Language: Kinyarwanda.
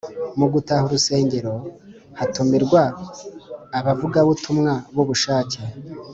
Mu gutaha urusengero hazatumirwa abavugabutumwe b’ubushake